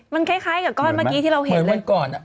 มันคล้ายกับก้อนเมื่อกี้ที่เราเห็นวันก่อน